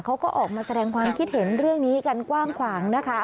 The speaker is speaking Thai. เขาก็ออกมาแสดงความคิดเห็นเรื่องนี้กันกว้างขวางนะคะ